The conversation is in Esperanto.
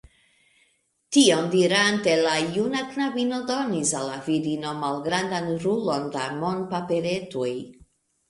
Tion dirante, la juna knabino donis al la virino malgrandan rulon da monpaperetoj.